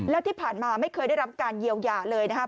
แล้วที่ผ่านมาไม่เคยได้รับการเยียวยาเลยนะครับ